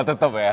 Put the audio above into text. oh tetep ya